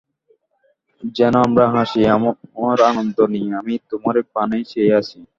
যেন আমার হাসি, আমার আনন্দ নিয়ে আমি তোমার পানেই চেয়ে আছি।